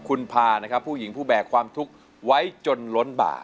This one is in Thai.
คุณพานะครับผู้หญิงผู้แบกความทุกข์ไว้จนล้นบาป